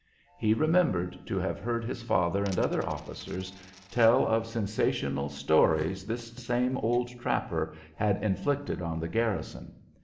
He remembered to have heard his father and other officers tell of sensational stories this same old trapper had inflicted on the garrison.